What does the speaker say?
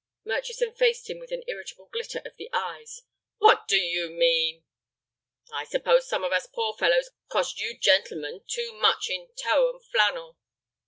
Murchison faced him with an irritable glitter of the eyes. "What do you mean!" "I suppose some of us poor fellows cost you gentlemen too much in tow and flannel."